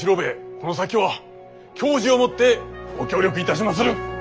この先は矜持を持ってご協力いたしまする。